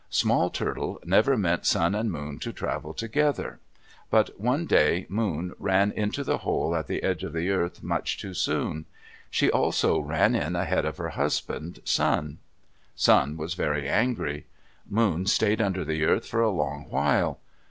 Small Turtle never meant Sun and Moon to travel together. But one day Moon ran into the hole at the edge of the earth much too soon. She also ran in ahead of her husband, Sun. Sun was very angry. Moon stayed under the earth for a long while.